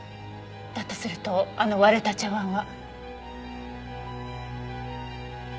だとするとあの割れた茶碗は。